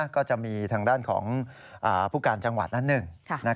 ก็จะมีทางด้านของผู้การจังหวัดนั้นหนึ่ง